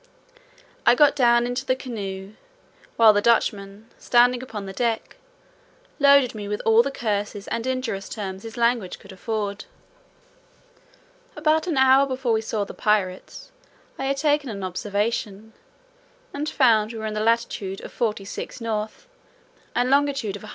I got down into the canoe, while the Dutchman, standing upon the deck, loaded me with all the curses and injurious terms his language could afford. About an hour before we saw the pirates I had taken an observation, and found we were in the latitude of 46 N. and longitude of 183.